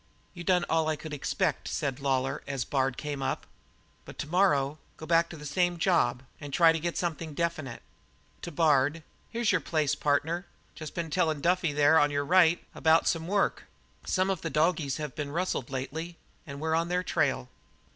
"You done all I could expect," said Lawlor aloud as Bard came up, "but to morrow go back on the same job and try to get something definite." To Bard: "Here's your place, partner. Just been tellin' Duffy, there on your right, about some work. Some of the doggies have been rustled lately and we're on their trail."